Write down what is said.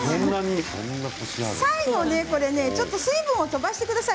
最後ね、水分を飛ばしてください。